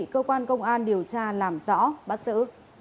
công an điều tra làm rõ bắt giữ